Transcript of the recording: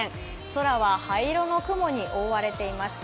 空は灰色の雲に覆われています。